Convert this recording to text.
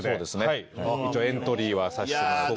はい一応エントリーはさせてもらって。